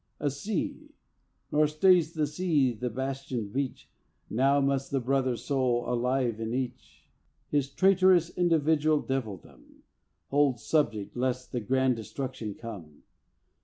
A sea; nor stays that sea the bastioned beach. Now must the brother soul alive in each, His traitorous individual devildom Hold subject lest the grand destruction come.